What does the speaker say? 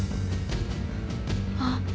あっ。